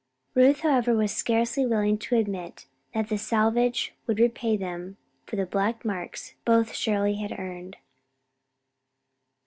Ruth, however, was scarcely willing to admit that that the salvage would repay them for the black marks both surely had earned.